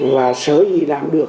và sớm gì làm được